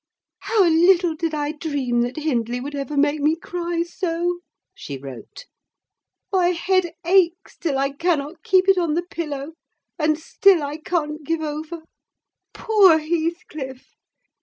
"How little did I dream that Hindley would ever make me cry so!" she wrote. "My head aches, till I cannot keep it on the pillow; and still I can't give over. Poor Heathcliff!